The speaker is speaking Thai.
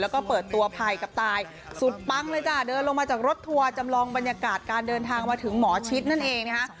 แล้วก็เปิดตัวภัยกับตายสุดปังเลยจ้ะเดินลงมาจากรถทัวร์จำลองบรรยากาศการเดินทางมาถึงหมอชิดนั่นเองนะคะ